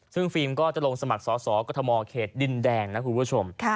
ซึ่งฟิล์มก็จะลงสมัครสอสอกรทมเขตดินแดงนะคุณผู้ชม